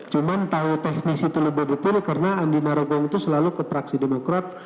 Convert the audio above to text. cuma tahu teknis itu lebih detail karena andi narogong itu selalu ke praksi demokrat